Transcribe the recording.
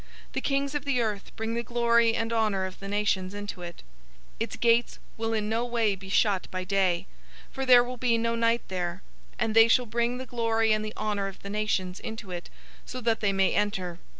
The kings of the earth bring the glory and honor of the nations into it. 021:025 Its gates will in no way be shut by day (for there will be no night there), 021:026 and they shall bring the glory and the honor of the nations into it so that they may enter.